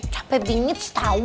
capek bingit setau